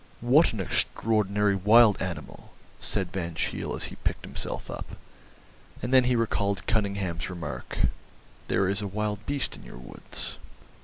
"What an extraordinary wild animal!" said Van Cheele as he picked himself up. And then he recalled Cunningham's remark "There is a wild beast in your woods."